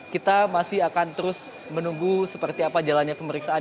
kita masih akan terus menunggu seperti apa jalannya pemeriksaan